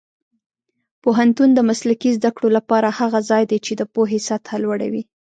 پوهنتون د مسلکي زده کړو لپاره هغه ځای دی چې د پوهې سطح لوړوي.